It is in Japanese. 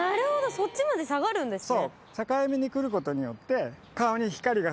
そっちまで下がるんですね。